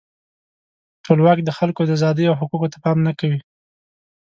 ټولواک د خلکو د آزادۍ او حقوقو ته پام نه کوي.